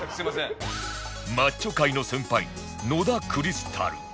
マッチョ界の先輩野田クリスタル